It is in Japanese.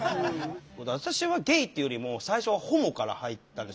私はゲイっていうよりも最初はホモから入ったんです。